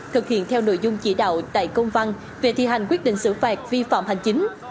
thực hiện theo nội dung chỉ đạo tại công văn về thi hành quyết định xử phạt vi phạm hành chính